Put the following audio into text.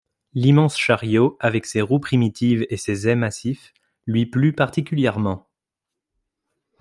L’immense chariot avec ses roues primitives et ses ais massifs lui plut particulièrement.